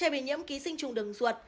trẻ bị nhiễm ký sinh trùng đường ruột